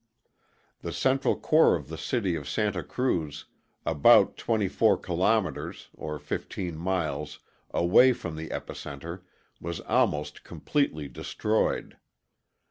The central core of the city of Santa Cruz, about 24 kilometers (15 miles) away from the epicenter, was almost completely destroyed.